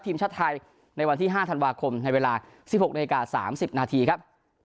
ทีมชาติไทยในวันที่ห้าธันวาคมในเวลาสี่หกนิก่าสามสิบนาทีครับ